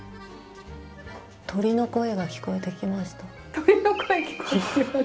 鳥の声聞こえてきます！